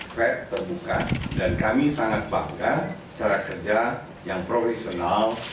track terbuka dan kami sangat bangga cara kerja yang profesional